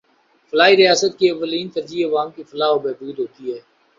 فلاحی ریاست کی اولین ترجیح عوام کی فلاح و بہبود ہوتی ہے